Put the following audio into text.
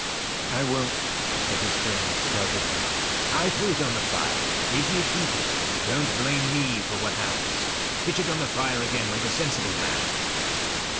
"I won't," said his friend, doggedly. "I threw it on the fire. If you keep it, don't blame me for what happens. Pitch it on the fire again like a sensible man."